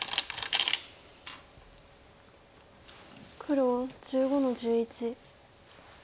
黒１５の十一。